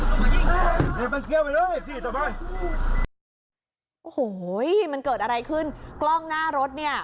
โอ้โหมันเกิดอะไรขึ้นกล้องหน้ารถเนี่ย